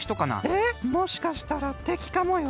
えっもしかしたらてきかもよ？